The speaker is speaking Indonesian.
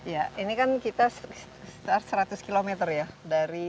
ya ini kan kita start seratus kilometer ya dari